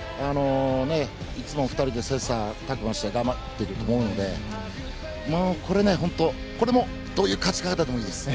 いつも２人で切磋琢磨して頑張っていると思うのでこれ、本当どういう勝ち方でもいいです。